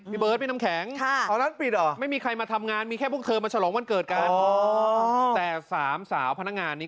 เบิร์ดพี่น้ำแข็งพอร้านปิดเหรอไม่มีใครมาทำงานมีแค่พวกเธอมาฉลองวันเกิดกันแต่สามสาวพนักงานนี้